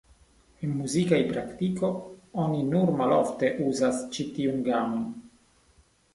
En muzika praktiko oni nur malofte uzas ĉi tiun gamon.